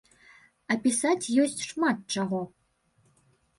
А пісаць ёсць шмат чаго!